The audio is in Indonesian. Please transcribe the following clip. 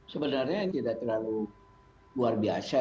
sebenarnya tidak terlalu luar biasa